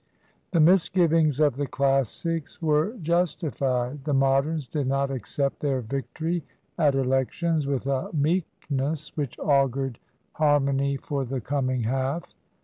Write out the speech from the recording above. The misgivings of the Classics were justified. The Moderns did not accept their victory at Elections with a meekness which augured harmony for the coming half.